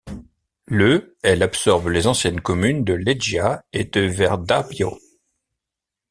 Le elle absorbe les anciennes communes de Leggia et de Verdabbio.